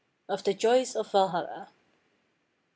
OF THE JOYS OF VALHALLA. 39.